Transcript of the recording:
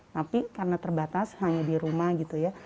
tapi karena terbatas hanya di rumah gitu ya